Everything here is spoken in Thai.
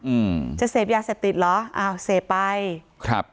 อืมจะเสพยาเสพติดเหรออ้าวเสพไปครับ